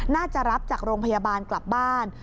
น่าจะรับจากโรงพยาบาลกลับบ้าน